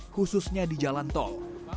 khususnya di jalan tol